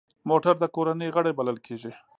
موټر د کورنۍ غړی بلل کېږي.